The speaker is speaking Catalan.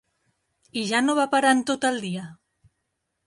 ...i ja no va parar en tot el dia.